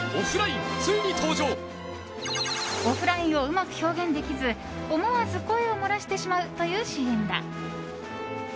オフラインをうまく表現できず思わず声を漏らしてしまうというＣＭだ。